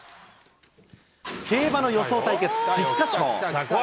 競馬の予想対決、菊花賞。